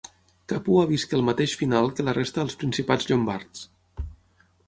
Càpua visqué el mateix final que la resta dels principats llombards.